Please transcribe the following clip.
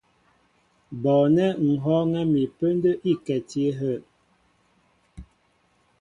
Bɔɔnɛ́ ŋ̀ hɔ́ɔ́ŋɛ́ mi pə́ndə́ íkɛti áhə'.